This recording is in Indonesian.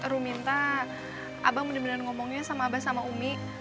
ru minta abang bener bener ngomongnya sama abah sama umi